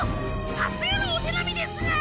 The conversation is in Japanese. さすがのお手並みですなぁ